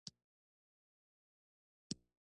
یوه ورځ موږ ټول د جومات پر تنګاچه پر سبق ناست وو.